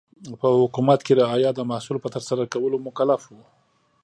په حکومت کې رعایا د محصول په ترسره کولو مکلف و.